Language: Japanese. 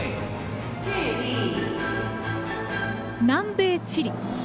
南米チリ。